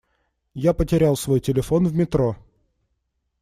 Я потерял свой телефон в метро.